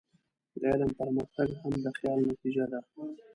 د علم پرمختګ هم د خیال نتیجه ده.